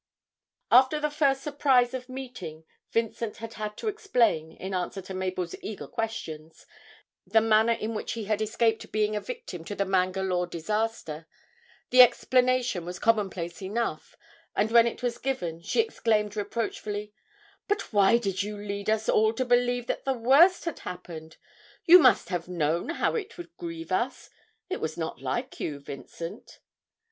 After the first surprise of meeting, Vincent had had to explain, in answer to Mabel's eager questions, the manner in which he had escaped being a victim to the 'Mangalore' disaster; the explanation was commonplace enough, and when it was given she exclaimed reproachfully, 'But why did you lead us all to believe that the worst had happened? You must have known how it would grieve us; it was not like you, Vincent.'